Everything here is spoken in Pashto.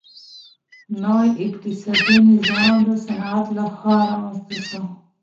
نوی اقتصادي نظام د صنعت لخوا رامنځته سو.